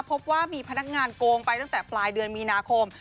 พบว่ามีพนักงานโกงไปตั้งแต่ปลายเดือนมีนาคม